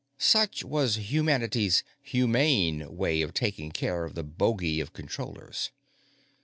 _ Such was humanity's "humane" way of taking care of the bogey of Controllers.